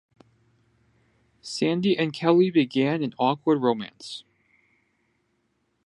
Sandy and Kelly begin an awkward romance.